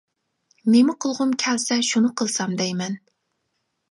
نېمە قىلغۇم كەلسە شۇنى قىلسام دەيمەن.